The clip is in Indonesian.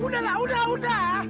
udah lah udah udah